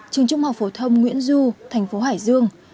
trường trung học phổ thông nguyễn du thành phố hải dương